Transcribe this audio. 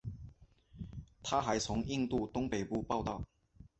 他还从印度东北部报道。